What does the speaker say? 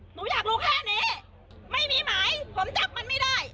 หนูอยากรู้แค่นี้ไม่มีหมายผมจับมันไม่ได้